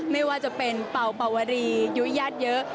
ไม่ว่าจะเป็นเปล่าปลาวรียุยยัดเยอะ